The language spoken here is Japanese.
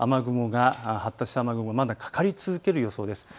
発達した雨雲がまだかかり続ける予想です。